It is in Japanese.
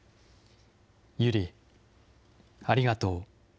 友梨、ありがとう。